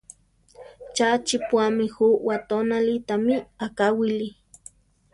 ¡Cha chiʼpúami ju watónali! Támi akáwili!